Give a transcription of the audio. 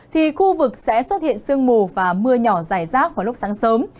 thì khu vực sẽ xuất hiện sương mù và mưa nhỏ dài rác vào lúc sáng sớm